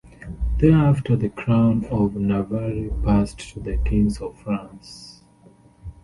Thereafter the crown of Navarre passed to the kings of France.